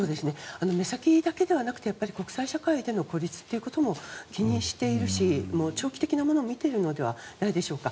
目先だけではなくて国際社会の孤立も気にしているし、長期的なものを見ているのではないでしょうか。